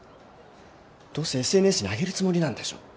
どうせ ＳＮＳ に上げるつもりなんでしょ？